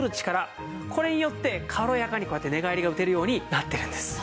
これによって軽やかにこうやって寝返りが打てるようになってるんです。